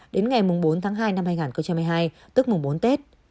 đến ngày bốn tháng hai năm hai nghìn hai mươi hai tức mùng bốn tết